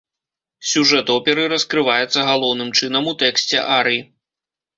Сюжэт оперы раскрываецца галоўным чынам у тэксце арый.